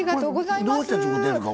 どうして作ってるんですか？